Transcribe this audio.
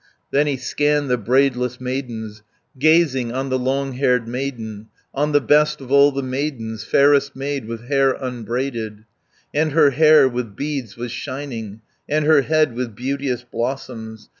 "Then he scanned the braidless maidens, Gazing on the long haired maiden, 390 On the best of all the maidens, Fairest maid with hair unbraided, And her head with beads was shining, And her head with beauteous blossoms.